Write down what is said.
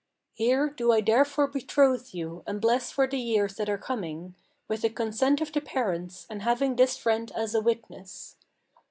Here do I therefore betroth you and bless for the years that are coming, With the consent of the parents, and having this friend as a witness."